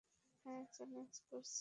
হুম, challenge করছিস।